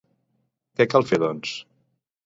Què cal fer, doncs?